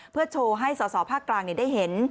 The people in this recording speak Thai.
เพื่อโชว์ให้สอสอภาคกลางได้เห็น